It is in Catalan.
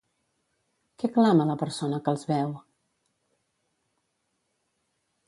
Què clama la persona que els veu?